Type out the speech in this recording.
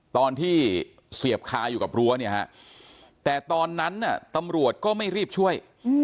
ตอนที่เสียบคาอยู่กับรั้วเนี่ยฮะแต่ตอนนั้นตำรวจก็ไม่รีบช่วย